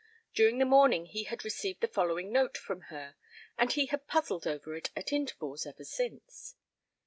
During the morning he had received the following note from her, and he had puzzled over it at intervals ever since.